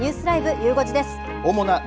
ゆう５時です。